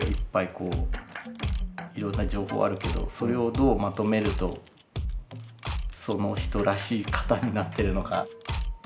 こういろんな情報あるけどそれをどうまとめるとその人らしい型になってるのか。